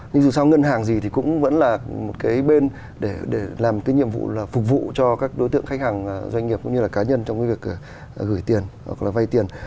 nhưng dù sao ngân hàng gì thì cũng vẫn là một cái bên để làm cái nhiệm vụ là phục vụ cho các đối tượng khách hàng doanh nghiệp cũng như là cá nhân trong cái việc gửi tiền hoặc là vay tiền